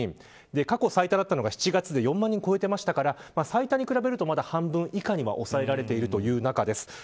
過去最多だったのが７月で４万人を超えていましたから最多に比べるとまだ半分以下に抑えられているという中です。